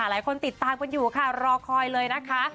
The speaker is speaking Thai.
หลายคนติดตามกันอยู่ค่ะรอคอยเลยนะคะ